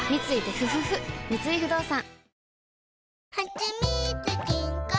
三井不動産